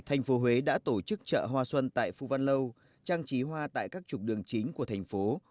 thành phố huế đã tổ chức chợ hoa xuân tại phu văn lâu trang trí hoa tại các trục đường chính của thành phố